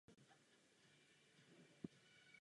Za své zásluhy očekává vyznamenání od prezidenta.